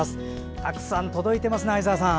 たくさん届いていますね相沢さん。